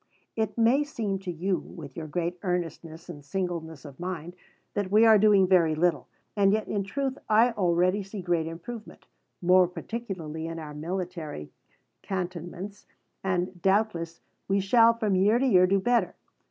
It may seem to you, with your great earnestness and singleness of mind, that we are doing very little, and yet in truth I already see great improvement, more particularly in our military cantonments, and doubtless we shall from year to year do better.